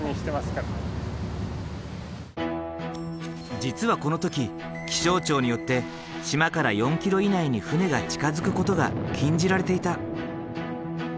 実はこの時気象庁によって島から４ｋｍ以内に船が近づくことが禁じられていた。